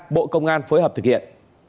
bộ công an phối hợp thực hiện